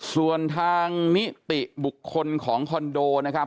ส่วนทางนิติบุคคลของคอนโดนะครับ